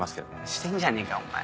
してんじゃねえかお前。